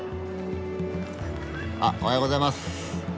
あおはようございます。